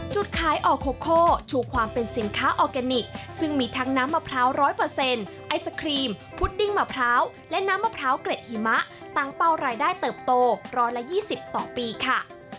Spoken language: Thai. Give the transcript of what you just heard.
จุดขายออโคโคชูความเป็นสินค้าออร์แกนิคซึ่งมีทั้งน้ำมะพร้าว๑๐๐ไอศครีมพุดดิ้งมะพร้าวและน้ำมะพร้าวเกร็ดหิมะตั้งเป้ารายได้เติบโต๑๒๐ต่อปีค่ะ